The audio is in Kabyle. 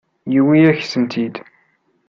Yewwi-yak-tent-id.